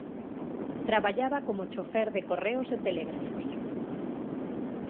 Traballaba como chofer de Correos e Telégrafos.